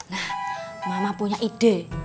nah mama punya ide